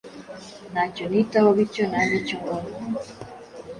Ntacyo nitaho bityo ntanicyo ngwaho